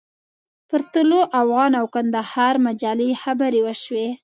پر طلوع افغان او کندهار مجلې خبرې وشوې.